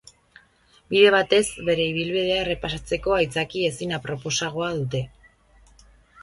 Bide batez, bere ibilbidea errepasatzeko aitzaki ezin aproposagoa dute.